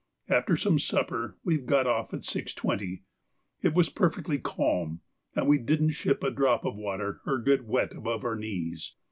After some supper we got off at 6.20; it was perfectly calm, and we didn't ship a drop of water, or get wet above our knees.